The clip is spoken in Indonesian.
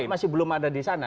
masih belum ada di sana